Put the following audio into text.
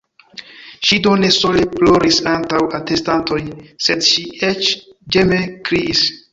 Ŝi do ne sole ploris antaŭ atestantoj, sed ŝi eĉ ĝeme kriis.